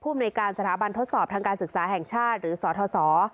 อำนวยการสถาบันทดสอบทางการศึกษาแห่งชาติหรือสท